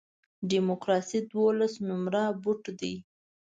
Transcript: ډیموکراسي دولس نمره بوټ دی.